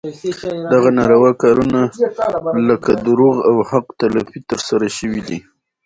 دغه ناروا کارونه لکه دروغ او حق تلفي ترسره شوي دي.